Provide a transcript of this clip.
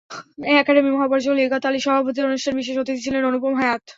একাডেমীর মহাপরিচালক লিয়াকত আলীর সভাপতিত্বে অনুষ্ঠানে বিশেষ অতিথি ছিলেন অনুপম হায়াৎ।